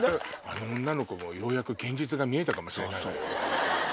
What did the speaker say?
あの女の子もようやく現実が見えたかもしれないわよ。